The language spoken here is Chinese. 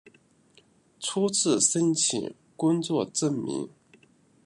初次申请工作证明